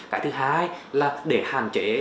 cái thứ hai là để hạn chế